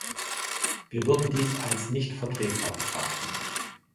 Wir würden dies als nicht vertretbar betrachten.